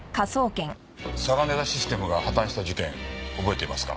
サガネダ・システムが破綻した事件覚えていますか？